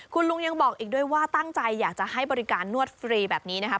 คุณลุงยังบอกอีกด้วยว่าตั้งใจอยากจะให้บริการนวดฟรีแบบนี้นะครับ